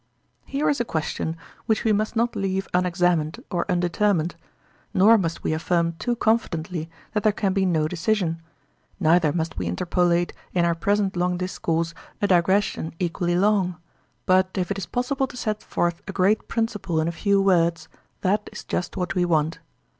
Here is a question which we must not leave unexamined or undetermined, nor must we affirm too confidently that there can be no decision; neither must we interpolate in our present long discourse a digression equally long, but if it is possible to set forth a great principle in a few words, that is just what we want.